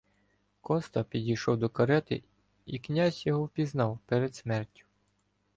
Коста підійшов до карети, і князь його впізнав перед смертю.